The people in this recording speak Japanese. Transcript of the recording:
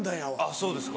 そうですか。